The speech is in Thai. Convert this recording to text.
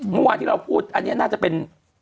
เมื่อวานที่เราพูดอันนี้น่าจะเป็น